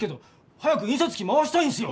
早く印刷機回したいんすよ！